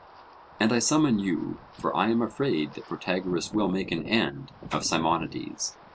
And I summon you, for I am afraid that Protagoras will make an end of Simonides.